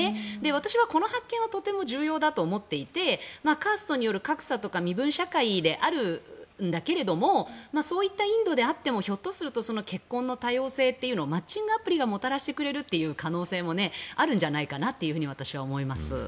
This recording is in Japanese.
私はこの発見はとても重要だと思っていてカーストによる格差とか身分社会であるんだけれどもそういったインドであってもひょっとすると結婚の多様性というものをマッチングアプリがもたらしてくれる可能性もあるんじゃないかなと私は思います。